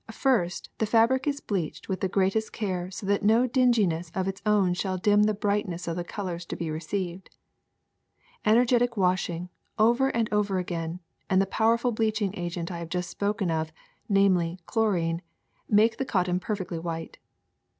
*^ First the fabric is bleached with the greatest care so that no dinginess of its own shall dim the brightness of the colors to be received. Energetic washing, over and over again, and the powerful bleaching agent I have just spoken of, namely chlorine, make the cotton perfectly white.